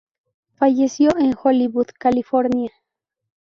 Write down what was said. Falleció en Hollywood, California.